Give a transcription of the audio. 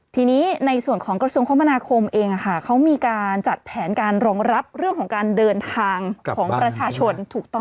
ทีนี้ในส่วนของกระทรวงคมนาคมเองเขามีการจัดแผนการรองรับเรื่องของการเดินทางของประชาชนถูกต้อง